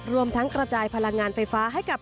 รวมทั้งกระจายพลังงานไฟฟ้าให้กับ